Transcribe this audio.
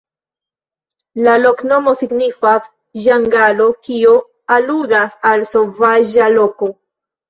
La loknomo signifas: ĝangalo, kio aludas al sovaĝa loko.